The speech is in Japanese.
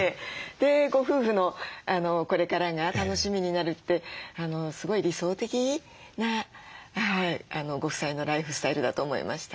でご夫婦のこれからが楽しみになるってすごい理想的なご夫妻のライフスタイルだと思いました。